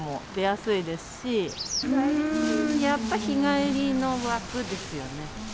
やっぱり日帰りの枠ですよね。